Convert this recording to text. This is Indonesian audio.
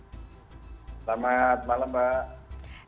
selamat malam mbak